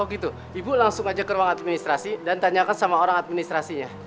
oh gitu ibu langsung aja ke ruang administrasi dan tanyakan sama orang administrasinya